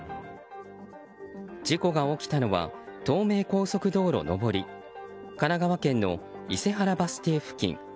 事故が起きたのは東名高速道路上り神奈川県の伊勢原バス停付近。